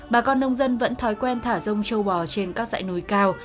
bà con nông dân vẫn thói quen thả rông châu bò trên các dãy núi cao